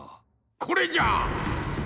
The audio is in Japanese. これじゃ！